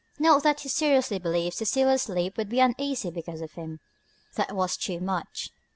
Not that he seriously believed Cecelia's sleep would be uneasy because of him. That was too much.